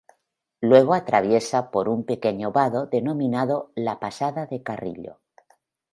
Luego, atraviesa por un pequeño vado denominado ""la pasada de Carrillo"".